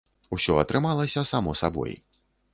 Усё атрымалася само сабой!